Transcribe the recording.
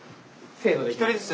１人ずつ？